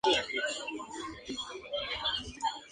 Hay varias especies de árboles parecidos con el mismo nombre común.